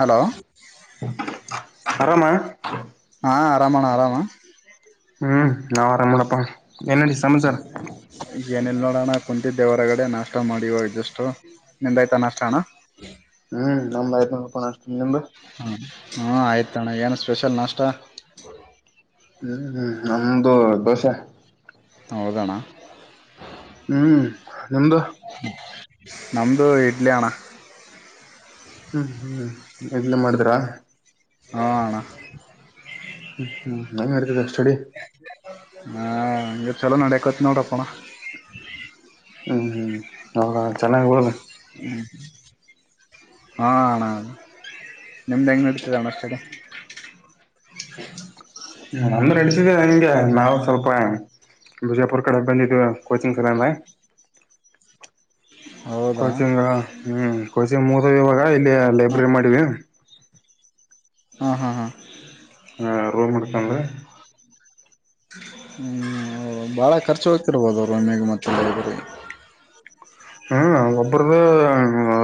Hello ಆರಾಮ ಹಾ ಆರಾಮಣ ಹರಾಮಾ ಹ್ಮ್ ನಾವುರ ಮುನಪ್ಪ ಎನ್ನಡಿ ಸಮಚಾರ ಕುಂತಿದ್ದೇವರಗಡೆ ನಾಷ್ಟ ಮಾಡುವ ಇದಷ್ಟು ನಿಂದಾಯ್ತಾ ನಾಷ್ಟ ಅಣ ಹ್ಮ್ ನಮ್ಮತಕ ಅಷ್ಟತ ನಿಂಬ ಣ ಏನ್ ಸ್ಪೆಷಲ್ ನಾಷ್ಟಾ ಹ್ಮ್ ಹ್ಮ್ ನಮ್ದು ದೋಷ ನೋಡದೋಣ್ಣ ಹ್ಮ್ೆಂದಾ ನಮ್ದು ಇಡ್ಲಿಯಣ ಹ್ಮ್ ಹ್ಮ್ ಎಲ ಮಾಡಿದ್ರಾ ಹಣ ಹ್ಮ ಹ್ಮ್ ನ ಮತದೆ ಅಷ್ಟುಡಿ ಹಾ ಇ ಚಲೋ ನಡ ಕೊ ತಿನಟಪ್ಪಣ ಹ್ಮ್ ಹ್ಮ್ ಹೌ ಚೆನ್ನಾಗ್ಬೋದ ಹ್ಮ ಹಾಣ ನಿಮ್ದ ಹೆಂಗ್ ಇಡ್ತದಣ ಅಷ್ಟಡೆ ಹ ಅಂದ್ರೆ ಎಡತಿದ ನಾವು ಸ್ವಲ್ಪ ಬಿಜಾಪುರ್ ಕಡೆ ಬಂದಿದೇವಿ ಕೋಚಿಂಗ್ ಸಲ ಹೌದಾ ಕೋಚಿಂಗ ಹ್ಮ್ ಕೋಚಿಂಗ್ ಮೂದದ ಇವಾಗ ಇಲ್ಲಿ ಲೈಬ್ರರಿ ಮಾಡಿವಿ ಹಾ ಹಾ ಹಾ ಹಾ ರೋಲ್ ಮಾಡ್ಕಂದ್ರ ಹ್ಮ್ ಹ ಭಾಳ ಖರ್ಚು ಹೋಗ್ತಿರ್ಬೋದು ಅವರು ಒಮೆಗೆ ಮತ್ತುತ್ತ ಬೆಳಗರಿಗೆ ಹ್ಮ್ ಒಬ್ರ್ದ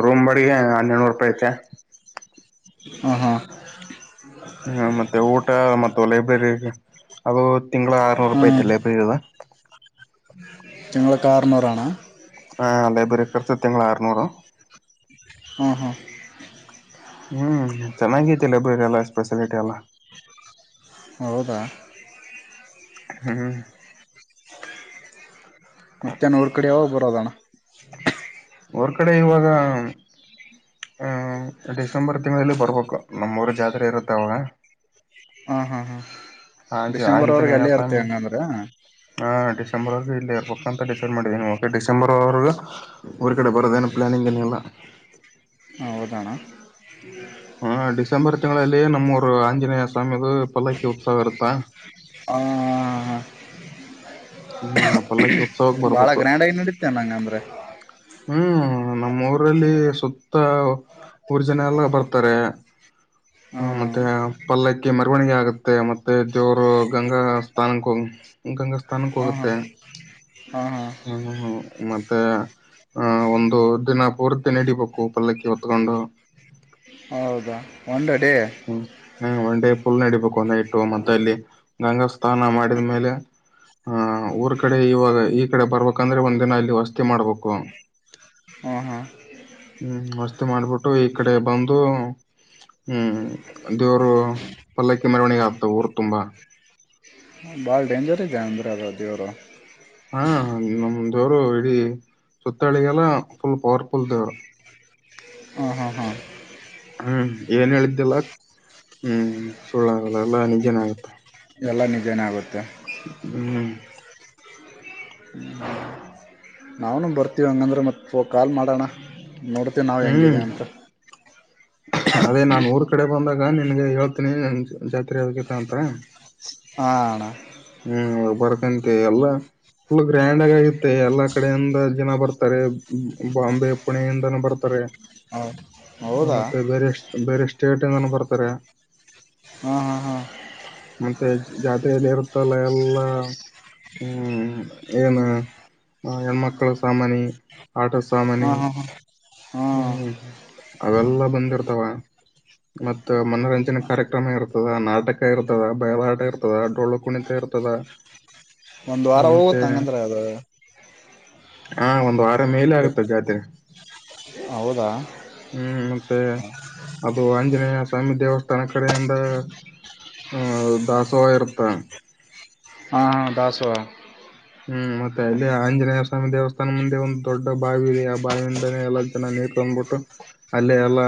ರೂಮ್ ಬಾಡಿಗೆ ಹನ್ನೆಡುನೂರು ರೂಪಾಯಿ ಐತೆ ಹ ಹಾ ಹ ಮತ್ತೆ ಊಟ ಮತ್ತು ಲೈಬ್ರರಿ ಅದು ತಿಂಗಳ ಆರ್ನೂರು ರೂಪಾಯಿ ಹ್ಮ್ ಐತಲ್ಲ ಬ್ರೀದ ಕಾರ್ನವರಣ ಹಾ ಲೈಬ್ರರಿ ಕರ್ಚ ತಿಂ ಅರನೂರ ಹಾ ಹಾ ಹ್ಮ್ ಚೆನ್ನಾಗೈತಿ ಲೈಬ್ರರಿ ಎಲ್ಲ ಸ್ಫೆಸಿಲಿಟಿ ಎಲ್ಲ ಹರದ ಹ್ಮ್ ಮತ್ತೆ ನೋರ್ ಕಡೆವ ಬರೋದಣ್ಣ ಅವರ್ ಕಡೆ ಇವಾಗ ಹ ಡಿಸೆಂಬರ್ ತಿಂಗಳಲ್ಲಿ ಬರ್ಬೇಕು ನಮ್ಮೂರು ಜಾತ್ರೆ ಇರುತ್ತೆ ಅವಾಗ ಹ ಹಾ ಹಾ ಹಜ ಅಜನ ಅಿ ಹ ಡಿಸೆಂಬರ್ ಇಲ್ಲೇ ಇರ್ಬೇಕಂತ ಡಿಸೈಡ್ ಮಾಡಿದ್ದೀ ಓಕೆ ಡಿಸೆಂಬರ್ವರೆಗೂ್ರ ಕಡೆರೋದ ಏನು ಪ್ಲಾನಿಂಗ್ ಏನಿಲ್ಲ ಹಾ ಹೌದಣ ಹ ಡಿಸೆಂಬರ್ ತಿಂಗಳಲ್ಲಿ ನಮ್ಮೂರು ಆಂಜನೇಯ ಸ್ವಾಮಿ ಪಲ್ಲೈಕಿ ಉತ್ಸವ ಇರುತ್ತಾ ಹ ಹಾ ಹಾ ಹಾ ಹ್ಮ್ ಪಲ್ಲಕ್ಕಿ ಉತ್ಸವಕ್ಕೆ ಬಾಳ ಗ್ರ್ಯಾಂಡ್ ಆಗ ನಡೀೇೆ ನಂಗ ಅಂದ್ರೆ ಹ್ಮ ನಮ್ಮ ಊರಲ್ಲಿ ಸುತ್ತ ಊರಿಜನೆ ಎಲ್ಲ ಬರ್ತಾರೆ ಹ್ಮ್, ಹ ಮತ್ತೆ ಪಲ್ಲಕ್ಕ ಮೆರವಣಿಗೆ ಆಗುತ್ತೆ ಮತ್ತೆ ದೇವರು ಗಂಗಾ ಸ್ಥಾನಕ್ಕೆ ಹೋಗ ಗಂಗಾ ಸ್ಥಾನಕ್ಕೆ ಹೋಗುತ್ತೆ ಹ ಹ್ಮ್ ಹ್ಮ ಹಾ ಮತ್ತ ಆಹ ಒಂದು ದಿನ ಪೂರ್ತಿ ನಡಿಬೇಕು ಪಲ್ಲಕ್ಕಿ ಹೊತ್ಕೊಂಡು ಹೌದಾ ಒಂದು ಡೇ ಹ ಒಂಡೇ ಪುಲ್ ನಡಿಬೇಕು ಅಂದ ಇಟ್ಟು ಮತ್ತೆ ಅಲ್ಲಿ ಗಂಗಾ ಸ್ನಾನ ಮಾಡಿದ್ಮೇಲೆ ಹಹ ಊರ್ ಕಡೆ ಇವಾಗ ಈ ಕಡೆ ಬರ್ಬೇಕಂದ್ರೆ ಒಂದ್ ದಿನ ಅಲ್ಲಿ ವಸ್ತಿ ಮಾಡ್ಬೇಕು ಹ್ಮ ಹ್ಮ್ ಮಸ್ತಿ ಮಾಡ್ಬಿಟ್ಟು ಈ ಕಡೆ ಬಂದು ಹ್ಮ್ ದೇವರು ಪಲ್ಲಕ್ಕಿ ಮೆರವಣಿಗೆ ಆತ ಊರ್ ತುಂಬಾ ಭಾಳ ಡೇಂಜರ್ ಇದೆ ಅಂದ್ರೆ ಅದು ದೇವರು ಹಾ ನಮ ದೇವರು ಇಡೀ ಸುತ್ತಾಳಿಗೆಲ್ಲ ಫುಲ್ ಪವರ್ಫುಲ್ ದೇವರು ಹಾ ಹಾ ಹಾ ಹ್ಮ್ ಏನ್ ಹೇಳಿದ್ದೆಲ್ಲ ಹ್ಮ್ ಸುಳ್ಳಾಗಲ್ಲ ಎಲ್ಲಾ ನಿಜನ ಆಗತ್ತ ಎಲ್ಲ ನಿಜನೇ ಆಗುತ್ತೆ ಹ್ಮ್ ನಾೂ ಬರ್ತೀವಿ ಹಂಗಂದ್ರೆ ಮತ್ತುತ್ತ ಕಾಲ್ ಮಾಡೋಣ ನೋಡ್ತೀವಿ ನಾವು ಹ್ಮ್ ಹೆಂಗಿದೆ ಅಂತ ಅದೇ ನಾ ಊರ್ ಕಡೆ ಬಂದಾಗ ನಿನ್ಗೆ ಹೇಳ್ತೀನಿ ಜಾತ್ರೆ ಅದಕ ಅಂತ ಹ ಹ್ಮ್ ಬರ್ಕಂತೆ ಎಲ್ಲ ಫುಲ್ ಗ್ರ್ಯಾಂಡ್ ಆಗ ಆಗತ್ತೆ ಎಲ್ಲಾ ಕಡೆಯಿಂದ ಜನ ಬರ್ತಾರೆ ಬಾಂಬೆ ಪುಣೆಯಿಂದನ ಬರ್ತಾರೆ ಹೌ ಹೌದಾ ಮತ್ತೆ ಬೇರೆಷ್ಟ ಬೇರೆಷ್ಟ್ಟೇ ಟಿಂದಾನು ಬರ್ತಾರೆ ಹಾ ಹಾ ಹಾ ಮತ್ತೆ ಜಾತ್ರೆಯಲ್ಲಿ ಇರ್ತ್ತಲ್ಲ ಎಲ್ಲಾ ಹ್ಮ್ ಏನ್ ಹೆಣ್ಮಕ್ಳ ಸಾಮಾನಿ ಆಟ ಹಾ ಹಾ ಹಾ ಹ್ಮ್್ಮ್ ಅವೆಲ್ಲ ಬಂದಿರ್ತಾವ ಮತ್ತ ಮನೋರಂಜನೆ ಕಾರ್ಯಕ್ರಮ ಇರ್ತದ ನಾಟಕ ಇರ್ತದ ಬಯಲಾಟ ಇರ್ತದ ಡೋೊಳ್ಳ ಕುಣಿತ ಇರ್ತದೆ ಕತದ ಒಂದ್ ವಾರ ಹೋಗ ತಂಗಂದ್ರ ಆದ್ರ ಹಾ ಒಂದು್ ವಾರ ಮೇಲೆ ಆಗುತ್ತೆ ಜಾತ್ರೆ ಹೌದಾ ಹ್ಮ್ ಮತ್ತೆ ಅದು ದಿನ ಸ್ವಾಮಿ ದೇವಸ್ಥಾನ ಕಡೆಯಿಂದ ಅಹ ದಾಸೋಹ ಇರ್ತ್ತ ಹಾ ಹಾ ದಾಸವ ಹ್ಮ್ ಮತ್ತೆ ಅಲ್ಲಿ ಆಂಜನೇಯ ಸ್ವಾಮಿ ದೇವಸ್ಥಾನ ಮುಂದೆ ಒಂದ್ ದೊಡ್ಡ ಬಾವಿ ಇದೆ ಆ ಬಾವಿಯಿಂದಾನೇ ಎಲ್ಲ ಜನ ನ ಬಂದ್ಬಿಟ್ಟು ಅಲ್ಲೇ ಎಲ್ಲ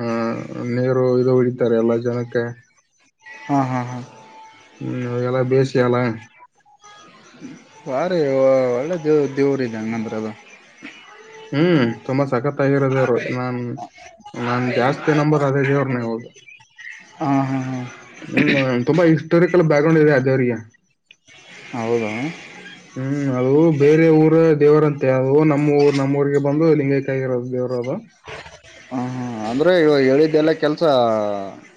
ಹಹ ನೀರು ಇ ಉಳಿತಾರೆ ಎಲ್ಲ ಜನಕ್ಕೆ ಹ್ಮ ಹಾ ಹಾ ಹ್ಮ್ ಎಲ್ಲ ಬಸಿಯಲ್ಲ ವಾರಿ ಒಳ್ಳೆ ದೇವ ದೇವ್ರ ಇದೆ ಅಂಗ ನಂದ್ರ ಅದು ಹ್ಮ್ ತುಂಬಾ ಸಖತ್ ಆಗಿರೋದೇವರು [unintelligible] ನಾನ್ ಹಾ ನಾನ್ ಜಾಸ್ತಿ ನಂಬದು ಅದೇ ದೇವ್ರನೆ ಹೌದು ಹಾ ಹಾ ಹಾ ಹ್ಮ್ ತುಂಬಾ ಹಿಸ್ಟೋರಿಕಲ್ ಬ್ಯಾಕ್ ಗ್ರೌಂಡ್ ಇದೆ ಅದೇವಿಗೆ ಹೌದ ಹ್ಮ್ ಅದು ಬೇರೆ ಊರು ದೇವರಂತೆ ಅದು ನಮ್ಮ ಊರ್ ನಮ್ಮೂಊರಿಗೆ ಬಂದು ಲಿಂಗೈಕಾಯರ ದೇವರು ರೋಬ [unintelligible] ಅಂದರೆ ಇವ ಹೇಳಿದ್ದಲ್ಲ ಕೆಲಸ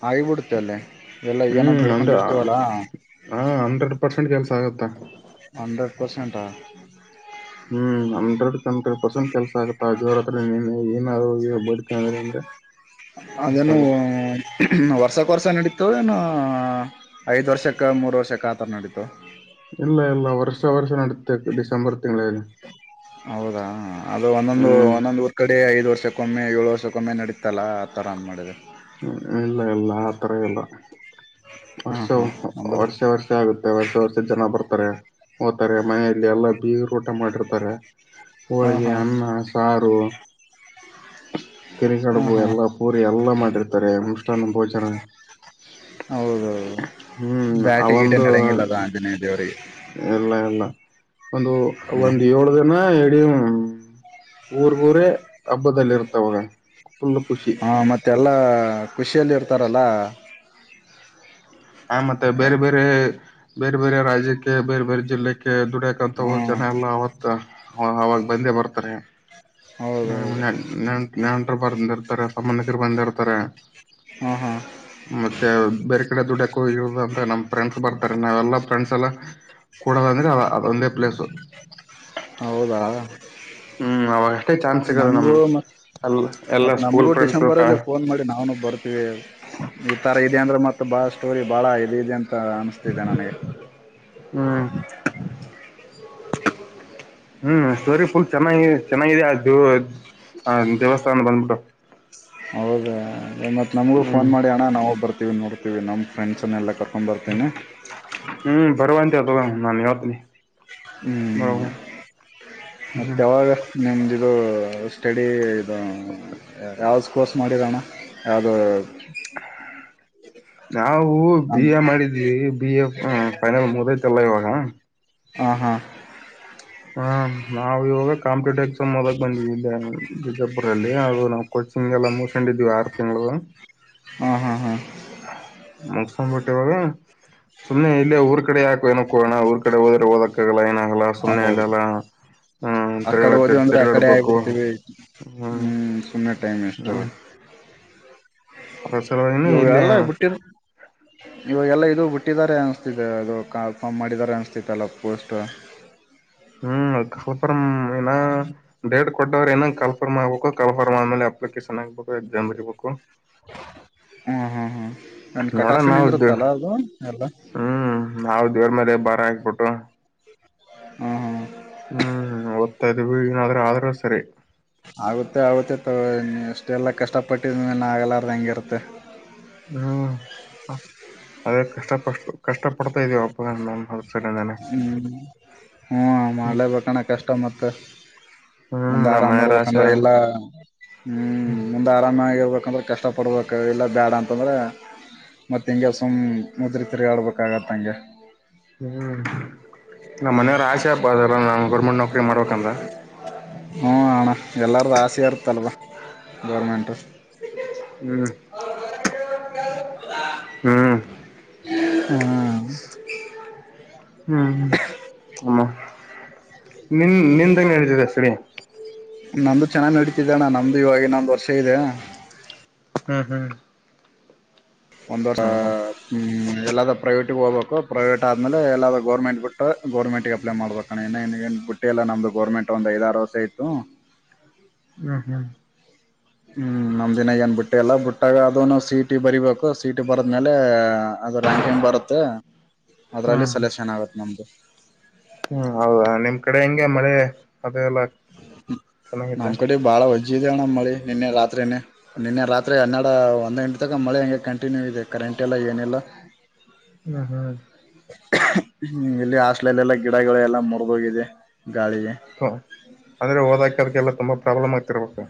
ಆಗಿಬಿಡುತ್ತೆ ಅಲ್ಲಿ ಎಲ್ಲ ಏನೋ ಹ್ಮ್ ಅಂದ್ರೆ ಬಿಡ್ಕೊಂಡಿರ್ತೀವಲ್ಲ ಹ ಅಂಡ್ರೆಡ್ ಪರ್ಸೆಂಟ್ ಕೆಲ್ಸ ಆಗತ್ತ ಹಣಂಡ್ರೆಡ್ ಪರ್ಸೆಂಟ ಹ್ಮ್ ಹಂಡ್ರೆಡ್ ಹಂಡ್ರೆಡ್ ಪರ್ಸೆಂಟ್ ಕೆಲ್ಸ ಆಗತವರ ಹತ್ರ ಏನಾದ ಬಡ್ ಅಂದ್ರೆ ಕೆಲ್ಸ ಅದೇನು ಆಗುತ್ತೆ ವರ್ಷ ವರ್ಷ ನಡೀತು ಏನ ಐದ್ ವರ್ಷಕ್ಕ ಮೂರ್ ವರ್ಷಕ್ಕೆ ಆತರ ನಡೀತು ಇಲ್ಲ ಇಲ್ಲ ವರ್ಷ ವರ್ಷ ನಡಿತದ ಡಿಸೆಂಬರ್ ತಿಂಗಳಲ್ಲಿ ಹ ಅದು ಒಂದೊಂದು ಹ್ಮ್ ಒಂದೊಂದು ಊರ್ ಕಡೆ ಐದು ವರ್ಷಕ್ಕೊಮ್ಮೆ ಏಳು ವರ್ಷಕ್ಕೊಮ್ಮೆ ನಡೀತಲ್ಲ ಆ ಥರ್ ಮಾಡ್ರೆ ಹ್ಮ ಇಲ್ಲ ಇಲ್ಲ ಆತ್ರ ಇಲ್ಲ ಹಾ ವರ್ಷ ಹಾ ಅಂದ್ರ ವರ್ಷ ವರ್ಷ ಆಗುತ್ತೆ ವರ್ಷ ವರ್ಷದ ಜನ ಬರ್ತಾರೆ ಹಓ್ತಾರೆ ಮನೆಯಲ್ಲಿ ಎಲ್ಲಾ ಬೀಗ್ರೂ ಊಟ ಮಾಡಿರ್ತಾರೆ ಹಾ ಹೋಳಿಗೆ ಹಾ ಅನ್ನ ಸಾರು ಕಿರಿ ಹಾ ಕಡುಬು ಹಾ ಎಲ್ಲಾ ಪೂರಿ ಎಲ್ಲಾ ಮಾಡಿರ್ತಾರೆ ಮುಷಾನ ಭೋಜನ ಹೌದೌದು ಹ್ಮ್ ಆ ಬ್ಯಾಟಿ ಗೀಟ ಒಂದು ನಡಂಗಿಲ್ಲದ ಆಂಜನೇಯ ದೇವರಿಗೆ ಎಲ್ಲ ಎಲ್ಲ ಒಂದು ಒಂದ್ ಏಳ ದ ಇಡೀ ಊರ್ಗೂರೇ ಹಬ್ಬದಲ್ಲಿ ಇರ್ತಾವಾಗ ಪುಲ್ಲ ಹಾ ಮತ್ತೆಲ್ಲ ಖುಷಿಯಲ್ಲಿ ಇರ್ತಾರಲ್ಲ ಹ ಮತ್ತೆ ಬೇರೆ ಬೇರೆ ಬೇರೆ ಬೇರೆ ರಾಜ್ಯಕ್ಕೆ ಬೇರೆ ಬೇರೆ ಜಿಲ್ಲೆಕ್ಕೆ ದುಡಿಯಕಂತ ಹ್ಮ್ ಜನ ಎಲ್ಲ ಅವತ್ತ ಅವಾಗ ಬ ಬಂದೆ ಬರ್ತಾರೆ ಹ್ಮ ಹೌದೌದು ನೆಂಟ್ರು ಬಂದಿರ್ತಾರೆ ಸಂಬಂಧಿಕರು ಬಂದಿರ್ತಾರೆ ಹಾ ಹಾ ಮತ್ತೆ ಬೇರೆ ಕಡೆ ದುಡಕ್ ಹೋಗಿರದ ಅಂತ ನಮ್ ಫ್ರೆಂಡ್ಸ್ ಬರ್ತಾರೆ ನಾವೆಲ್ಲಾ ಫ್ರೆಂಡ್ಸ್ ಎಲ್ಲ ಕೂಡಲ್ಲಂದ್ರೆ ಅದ ಒಂದೇ ಪ್ಲೇಸ್ ಹೌದಾ ಹ್ಮ್ ಅವಾಗ ಅಷ್ಟೇ ಚಾನ್ಸ್ ಸಿಗದು ನಮ್ ಅಲ್ಲ ಎಲ್ಲಾ ಮತ್ತತ್ ನಮಗೂ ಸ್ಕೂಲ್ ಫ್ರೆಂಡ್ಸ್ ಡಿಸೆಂಬರ್ ಅಲ್ಲಿ ಫೋನ್ ಮಾಡಿ ನಾವನು ಬರ್ತೀವಿ ಈ ತರ ಇದ ಅಂದ್ರ ಮ ಬಾಳ ಸ್ಟೋರಿ ಬಾಳ ಇದದೆ ಅಂತ ಅನಿಸ್ತಿದೆ ನನಗೆ ಹ್ಮ್ ಹ್ಮ್ ಸ್ಟೋರಿ ಫುಲ್ ಚೆನ್ನ ಚೆನ್ನಾಗಿದೆ ಅದು ಹಾ ದೇವಸ್ಥಾನ ಬಂದ್ಬಿಟ್ಟು ಹೌದ ಅದ ಮತ್ ನಮಗೂ ಫೋನ್ ಹ್ಮ್ ಮಾಡಿ ಅಣ್ಣ ನಾವು ಬರ್ತೀವಿ ನೋಡ್ತೀವಿ ನಮ್ ಫ್ರೆಂಡ್ಸ್ನ್ನ ಎಲ್ಲ ಕರ್ವಿ ಕರ್ಕೊಂಡು ಬರ್ತೀನಿ ನಾನಿ ಹೊತ್ನಿ ಹ್ಮ್ ಹ್ಮ್ ಮತ್ತವಾಗ ನಿಮ್ದಿದದು ಸ್ಟಡಿ ಇದು ಯಾವ್ದ ಕೋರ್ಸ್ ಮಾಡರಣ್ಣ ಅದು [unintelligible] ನಾವು ಬಿ ಎ ಮಾಡಿದ್ವಿ ಬಿ ಎ ಫೈನಲ್ ಮುದೈತಲ್ಲ ಇವಾಗ ಹ ಹಾ ಹ್ಮ ನಾವವು ಇವಾಗ ಕಾಂಪಿಟೇಟಿವ್ ಎಕ್ಸಾಮ್ ಮೊದಕ್ ಬಂದೀವಿ ಬಿಜಾಪುರಲ್ಲಿ ಅದು ನಾವು ಕೋಚಿಂಗ್ ಎಲ್ಲ ಮುಿಸಂಡ ಇದ್ವಿ ಆರು ತಿಂಳ ಹಾ ಹಾ ಹಾ ಮಸಮ ಬಟ್ಟೆ ಬ ಸುಮ್ಮನೆ ಇೇ ಊರ್ ಕಡೆ ಯಾಕೋ ಏನಕ್ಕೋಣ ಊರ್ ಕಡೆ ಹೋದ್ರೆ ಓದಕ್ಕಗಲ್ಲ ಏನ ಅಲ್ಲ ಸುಮ್ಮನೆ ಅಲ್ಲ ಹೌದು ಅಲ್ಲಾ ಆ ಕಡೆ ಓದ್ವಿ ಅಂದ್ರೆ ಆ ಕಡೆ ಆಗ್ಬಿಡ್ತೇವಿ ಹ್ಮ್ ಸೊೆ ಟೈಮ್ ವಷ್ಟಟ ಹ್ಮ್ ಅದ್ರ ಸಲುವಾಗಿ ಇವಾಗ ಇಲ್ಲಿ ಎಲ್ಲ ಬಿುಟ್ಟಿರು ಇವಾಗೆಲ್ಲ ಇದು ಹುಟ್ಟಿದ್ದಾರೆ ಅನಿಸ್ತಿದೆ ಅದು ಕಾ ಫಾರ್ಮ್ ಮಾಡಿದ್ದಾರೆ ಅನ್ನಿಸ್ತಿತ್ತು ಅಲ್ಲ ಪೋಸ್ಟ ಹ್ಮ್ ಕಲ್ಫರ್ಮ್ ಇಏ ಡೇಟ್ ಕೊಟ್ಟವ್ರ ನ ಕಲ್ಫರ್ಮ್ ಆಗ್ಬೇಕು ಕಲ್ಫರ್ ಫ್ಮ್ ಆದಮೇಲೆ ಅಪ್ಲಿಕೇಶನ್ ಆಗಬೇಕು ಎಕ್ಸಾಮ್ ಇರಬೇಕು [inaudible] ಹ್ಮ ಹ್ಮ್ ಹ್ಮ್ ಏ ಕಟ ನೋಡೋಣ ನಾವು ಆಫನ್ದ್ರ ತಲಾ ಅದು ಎಲ್ಲ ದೇವರ್ ಮೇ ಭಾರ ಹಾಕ್ಬಿಟ್ಟು ಹ್ಮ ಹ್ಮ ಹ್ಮ್ ಓದ್ತಾ ಇದ್ವಿ ಏನಾದ್ರೂ ಆದ್ರೂ ಸರಿ ಆಗುತ್ತೆ ಆಗುತ್ತೆ ತ ಅಷ್ಟೆಲ್ಲ ಕಷ್ಟಪಟ್ಟಿದ ಮೇನು ಆಗಲಾರ್ದ ಹೆಂಗಿರುತ್ತೆ ಹ್ಮ್ ಅದೇ ಕಷ್ಟ ಪ ಕಷ್ಟ ಪಡ್ತಾ ಇದೀವಿ ಒಬ್ಬ ನ ಹ್ಮ್ ಹ್ಮ ಹ್ಮ್ ಮಾಡಲೇಬೇಕಣ ಕಷ್ಟ ಮತ್ತ ಮುಂದೆ ನಮ್ಮ ಆರಾಮ ಮನೆಯವ್ರ ಆಸೆ ಇರ್ಬೇಕಂದ್ರೆ ಎಲ್ಲಾ ಹ್ಮ್ ಹ್ಮ್ ಮುಂದೆ ಆರಾಮ ಆಾಗಿರ್ಬೇಕಂದ್ರೆ ಕಷ್ಟಪಡ್ಬೇಕು ಇಲ್ಲ ಬ್ಯಾಡ ಅಂತಂದ್ರರೆ ಮತ್ತತ್ ಹಿಂಗೆ ಸುಮ್ ಮುದ್ರ ತಿರಿ ಆಡ್ಬೇಕ ಆಾಗತ್ತ ಹಂಗೆ ಹ್ಮ್ ನಮ್ಮ್ ಮನೆಯವ್ರ ಆಶೆ ಅಪ್ಪ ಅದಲ್ಲ ನಾ ಗೌರ್ಮೆಂಟ್ ನೌಕರಿ ಮಾಡ್ಬೇಕಂತ ಹ್ಮ ಹಣ ಎಲ್ಲಾರ್ದು ಆಸೆ ಇರುತ್ತಲ್ವಾ ಗೌರ್ಮೆಂಟ್ ಹ್ಮ್ ಹ್ಮ್ ಹ್ಮ ಹ್ಮ ಹ್ಮ್ ಹ ಅಮ್ಮ ನಿನ್ ನಿನ್ಗ ಹಳ್ತಿದೆ ಶ್ರಡೀ ನಂದುು ಚೆನ್ನಾಗ್ ನಡೀತಿದ್ದಣ್ಣ ನಮ್ದು ಇವಾಗ ಇನ್ನೊಂದು್ ವರ್ಷ ಇದೆ ಹ್ಮ್ ಹ್ಮ್ ಒಂದವರ ಹೌದಾ ಹ ಎಲ್ಲದರ ಪ್ರೈವೇಟಿಗೆ ಹೋಗಬೇಕು ಪ್ರೈವೇಟ್ ಆದೇಲೆ ಎಲ್ಲರ ಗೌರ್ಮೆಂಟ್ ಬಿಟ್ಟ ಗರ್ಮೆಂಟಿಗೆ ಅಪ್ಲೈ ಮಾಡ್ಬೇಕುಣ ಬುಟ್ಟೆಲ್ಲ ನಮ್ದು ಗೌರ್ಮೆಂಟ್ ಒಂದು ಐದಾರು ವರ್ಷ ಇತ್ತು ಹ್ಮ್ ಹ್ಮ್ ಹ್ಮ್ ನಮ ದಿನ ಏನ್ ಬಿುಟ್ಟೆಲ್ಲ ಬಿುಟ್ಟಾಗ ಅದನು ಸೀಟಿ ಬರಿಬೇಕು ಸೀಟಿ ಬರದ್ಮೇಲೆ ಅದ ರ್ಯಾಂಕಿಂಗ್ ಬರುತ್ತೆ ಅದ್ರಲ್ಲಿ ಹ್ಮ್ ಸೆಲೆಕ್ಷನ್ ಆಗತ್ ನಮ್ದು ಹ್ಮ್ ಹೌದಾ ನಿಮ್ ಕಡೆ ಹೆಂಗೆ ಮಳೆ ಅದೆ ಎಲ್ಲ ಚೆನ್ನಾಗೈತೆ ನಮ್ ಕಡೆ ಬಾಳ ವಜ್ಜ ಜೀದೋಣ್ಣ ಮಳಿ ನಿನ್ನೆ ರಾತ್ರಿಯೇ ನಿನ್ನೆ ರಾತ್ರಿ ಹನ್ನರಡು ಒಂದು ಎಂಟು ತಕ ಮಳೆ ಹಂಗೆ ಕಂಟಿನ್ಯೂ ಇದೆ ಕರೆಂಟ್ ಎಂಟೆಲ್ಲ ಏನೆಲ್ಲ ಹ್ಮ ಹ್ಮ್ ಹ್ಮ ಇಲ್ಲಿ ಹಾಸ್ಲಲ್ಲೆಲ್ಲಾ ಗಿಡಗಳು ಎಲ್ಲ ಮುರದೋಗಿದೆ ಹ ಅಂದ್ರೆ ಓದಾಕದಕ್ಕೆಲ್ಲ ತುಂಬಾ ಪ್ರಾಬ್ಲಮ್ ಆಗ್ತಿರ್ಬೇಕು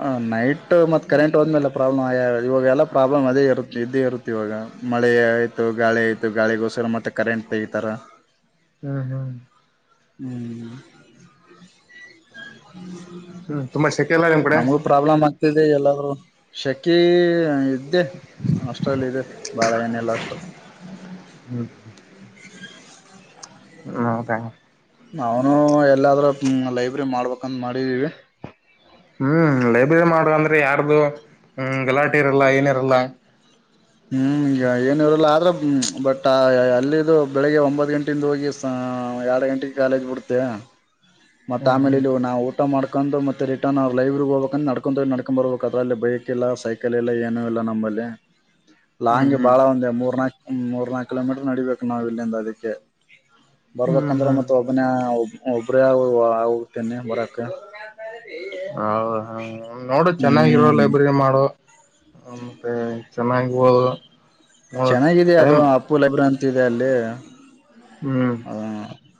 ಹ ನೈಟ್ ಮತ್ ಕರೆಂಟ್ ಹೋ್ಮೇಲೆ ಪ್ರಾಬ್ಲಮ್ ಇವಾಗೆಲ್ಲಾ ಪ್ರಾಬ್ಲಮ್ ಅದೇ ಇರುತ್ತ ಇದೇ ಇರುತ್ತ ಇವಾಗ ಮಳೆ ಆಯ್ತು ಗಾಳಿ ಆಯ್ತು ಗಾಳಿಗೋಸ್ಕರ ಮತ್ತೆ ಕರೆಂಟ್ ತೆಗತರ ಹ್ಮ್ ಹ್ಮ್ ಹ್ಮ್ ಹ್ಮ್ ತುಂಬಾ ಶೆಕೆ ಇಲ್ಲ ನಿಮ್ ಕಡೆ ನಮಗೆ ಪ್ರಾಬ್ಲ್ ಎಲ್ಲೂ ಶೆಕಿ ಇದ್ದೆ ಅಷ್ಟ್ರಲ್ಲ ಇದೆ ಬಾಳ ಏನೆಲ್ಲ ಅಷ್ಟು [inaudible] ಹ್ಮದ ನಾವನು ಎಲ್ಲಾದ್ರೂ ಲೈಬ್ರರಿ ಮಾಡ್ಬೇಕಂದ ಮಾಡಿದೀವಿ ಹ್ಮ್ ಲೈಬ್ರರಿ ಮಾಡುವ ಅಂದ್ರೆ ಯಾರ್ದು ಹ್ಮ ಗಲಾಟೆ ಇರಲ್ಲ ಏನಿರಲ್ಲ ಹ್ಮ್ ಈಗ ಏನ ಇವ್ರಲ್ಲ ಆದ್ರ ಹ್ಮ್ ಬಟ್ ಆ ಅಲ್ಲಿಿದ್ದು ಬೆಳಿಗ್ಗೆ ಒಂಬತ್ ಗಂಟೆಯಿಂದ ಹೋಗಿ ಯರ ಗಂಟೆಗೆ ಕಾಲೇಜ್ ಬಿಡ್ತೇ ಮತ್ತುತ್ತ ಹ್ಮ್ ಆಮೇಲೆ ಇ ಹ್ಮ್ ನಾವು ಮಾಡಕೊಂಡು ಮತ್ತೆ ರಿರ್ ಅವ್ ಲೈವ್ರ ಹೋಗ್ಬೇಕಂದ ನಡ್ಕೊಂಡು ನಡ್ಕೊಂಡ ಬರ್ಬೇಕ ಅ್ರ ಅಲ್ಲಿ ಬೈಕ್ ಇಲ್ಲ ಸೈಕಲ್ ಇಲ್ಲ ಏನುೂ ಇಲ್ಲ ನಮ್ಮೇಲೆ ಹ್ಮ್ ಲಾಂಗ್ಗೆ ಹ್ಮ್ ಬಾಳ ಒಂದೇ ಮೂರ್ನಾಾಕ್ ಮೂರ್ ನಾಕು ಕಿಲೋಮೀಟರ್ ನಡಬೇಕು ನಾವ್ ಇಲ್ಲಿಂದ ಅದಕ್ಕೆ ಹ್ಮ್ ಬರ್ಬೇಕಂದ್ರೆ ಹ್ಮ್ ಮತ್ತ ಒಬ್ಬನೇ ಒಬ್ರೇ ಹೋಗ್ತೇನೆಿ ಬರಕ ಹೌದ ನೋಡ ಚೆನ್ನಾಗಿರ ಹ್ಮ್ ಲೈಬ್ರರಿ ಮಾಡು ಮತ್ತೆ ಚೆನ್ನಗ ಚೆನ್ನಾಗಿದ ಅದು ಅಪ್ಪು ಲೈಬ್ರ ಅಂತಿದೆ ಅಲ್ಲಿ ಹ್ಮ್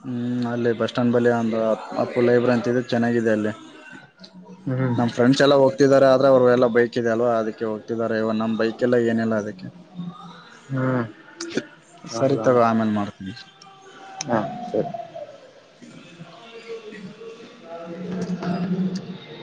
ಹಞ ಅಲ್ಲಿ ಬಸ್ ಸ್ಟ್ಯಾಂಡ್ ಬಳಿ ಅಂದ ಅಪ್ಪು ಲೈಬ್ರಿ ಅಂತಿದ್ದು ಚೆನ್ನಾಗಿದೆ ಅಲ್ಲಿ ಹ್ಮ್ ನಮ್ ಫ್ರೆಂಡ್ಸ್ ಎಲ್ಲ ಹೋಗ್ತಿದಿದ್ದಾರೆ ಆದ್ರೆ ಅವ್ರು ಎಲ್ಲ ಬೈಕ್ ಇದೆ ಅಲ್ವಾ ಅದಕ್ಕೆ ಹೋಗ್ತಿದ್ದಾರೆ ಇವ ನಮ್ಮ್ ಬೈಕ್ ಎಲ್ಲ ಏನೆಲ್ಲ ಅದಕ್ಕೆ ಹ್ಮ್ ಸರಿ ಹೌದಾ ತಗ ಆಮೇಲೆ ಮಾಡ್ತೀನಿ ಹಾ ಸರಿ. [unintelligible] [unintelligible] [inaudible]